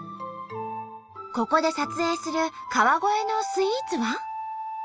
ここで撮影する川越のスイーツは？